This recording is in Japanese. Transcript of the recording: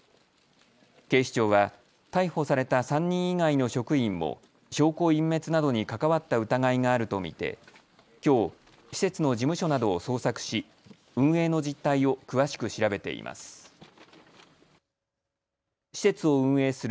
警視庁は逮捕された３人以外の職員も証拠隠滅などに関わった疑いがあると見てきょう施設の事務所などを捜索し運営の実態を詳しく調べています。